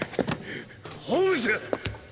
ホームズ！